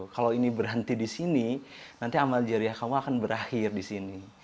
kalau ini berhenti di sini nanti amal jariah kamu akan berakhir di sini